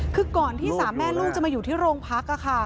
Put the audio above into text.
คือก่อนที่สามแม่ลูกจะมาอยู่ที่โรงพัก